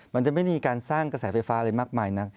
มันจะไม่มีการสร้างกระแสไฟฟ้าอะไรมากมายนัก